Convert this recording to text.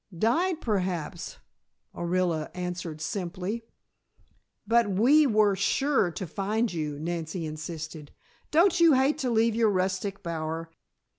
"Died perhaps," Orilla answered, simply. "But we were sure to find you," Nancy insisted. "Don't you hate to leave your rustic bower?